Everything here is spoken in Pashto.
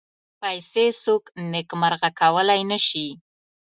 پیسې څوک نېکمرغه کولای نه شي.